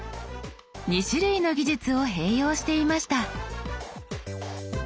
２種類の技術を併用していました。